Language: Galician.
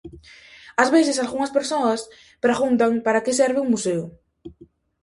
Ás veces algunhas persoas preguntan para que serve un museo.